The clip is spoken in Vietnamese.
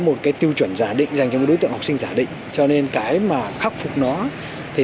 một cái tiêu chuẩn giả định dành cho cái đối tượng học sinh giả định cho nên cái mà khắc phục nó thì